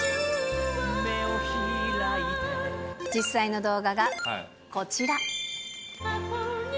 実際の動画がこちら。